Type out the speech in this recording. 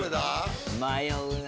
迷うな！